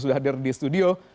sudah hadir di studio